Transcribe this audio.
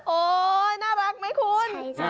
โอ๊ยน่ารักไหมคุณ